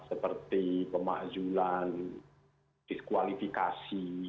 seperti pemahjulan diskualifikasi